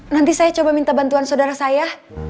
nanti saya coba minta bantuan saudara saya